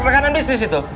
rekanan bisnis itu